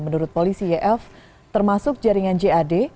menurut polisi yf termasuk jaringan jad